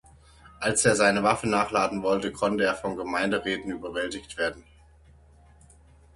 Als er seine Waffen nachladen wollte, konnte er von Gemeinderäten überwältigt werden.